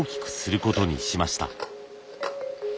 ことにしました。